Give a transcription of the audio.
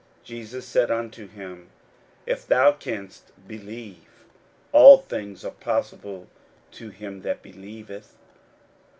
41:009:023 Jesus said unto him, If thou canst believe, all things are possible to him that believeth.